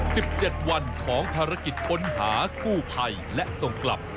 สิบเจ็ดวันของภารกิจค้นหากู้ภัยและส่งกลับ